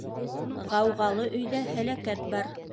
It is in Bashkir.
Ғауғалы өйҙә һәләкәт бар.